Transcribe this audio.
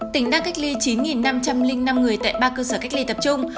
tỉnh đang cách ly chín năm trăm linh năm người tại ba cơ sở cách ly tập trung